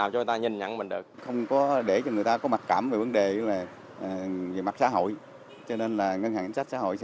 cho nên là ngân hàng chính sách xã hội sẽ tiếp tục làm